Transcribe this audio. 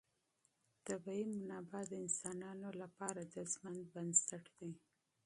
طبیعي منابع د انسانانو لپاره د ژوند بنسټ دی.